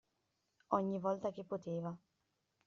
Ogni volta che poteva.